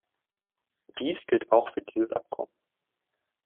Dies gilt auch für dieses Abkommen.